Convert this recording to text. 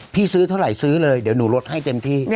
ซื้อเท่าไหร่ซื้อเลยเดี๋ยวหนูลดให้เต็มที่